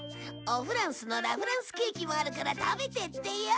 おフランスのラ・フランスケーキもあるから食べてってよ。